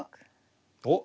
おっ。